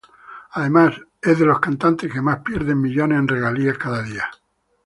Además, es de los cantantes que más pierden millones en regalías cada día.